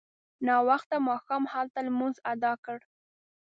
ناوخته ماښام هلته لمونځ اداء کړ.